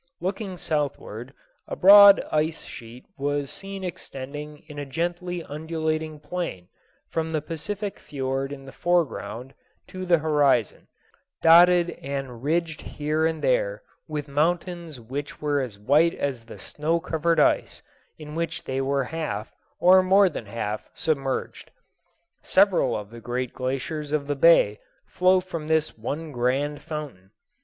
Looking southward, a broad ice sheet was seen extending in a gently undulating plain from the Pacific Fiord in the foreground to the horizon, dotted and ridged here and there with mountains which were as white as the snow covered ice in which they were half, or more than half, submerged. Several of the great glaciers of the bay flow from this one grand fountain.